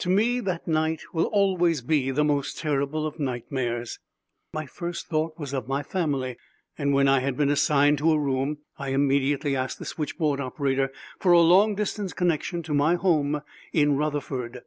To me that night will always be the most terrible of nightmares. My first thought was of my family and, when I had been assigned to a room, I immediately asked the switchboard operator for a long distance connection to my home in Rutherford.